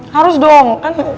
harus dong kan